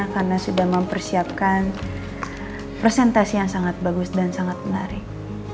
karena sudah mempersiapkan presentasi yang sangat bagus dan sangat menarik